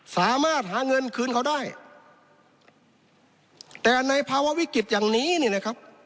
สามารถหาเงินคืนเขาได้แต่ในภาวะวิกฤตอย่างนี้เนี่ยนะครับ